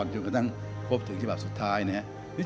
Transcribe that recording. จนกระทั่งพบถึงฉบับสุดท้ายนะครับ